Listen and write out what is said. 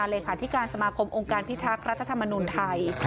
ให้รับสัญญาเลยค่ะที่การสมาคมองค์การพิธักรรภธรรมนุนไทย